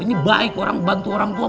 ini baik orang bantu orang tua